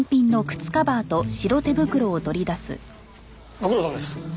ご苦労さまです。